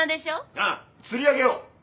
ああ釣り上げよう！